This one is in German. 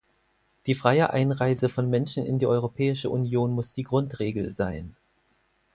Die freie Einreise von Menschen in die Europäische Union muss die Grundregel sein.